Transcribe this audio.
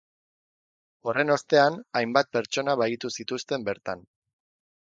Horren ostean hainbat pertsona bahitu zituzten bertan.